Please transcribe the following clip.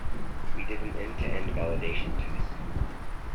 We did an end-to-end validation test.